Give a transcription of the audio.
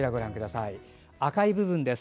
赤い部分です。